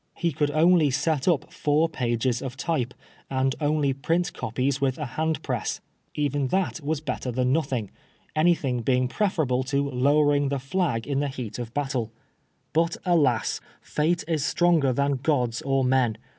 He could only set up four pages of type, and only print copies with a hand press. Even that was better than nothing ; anything being preferable to lowering the flag in the heat 38 PBISONEB FOB BLASPHEMY. of battle. Bnt alas ! fate is stronger than gods or men.